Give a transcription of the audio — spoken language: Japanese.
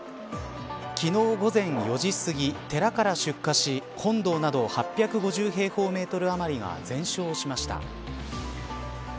昨日午前４時すぎ寺から出火し、本堂など８５０平方メートル余りが全焼しました。